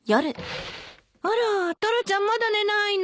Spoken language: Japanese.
あらタラちゃんまだ寝ないの？